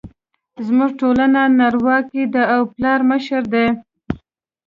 زموږ ټولنه نرواکې ده او پلار مشر دی